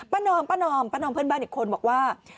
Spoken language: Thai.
ป้านออมเพื่อนบ้านอีกคนบอกว่า